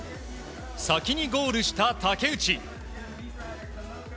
先にゴールした竹内。